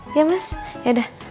iya mas yaudah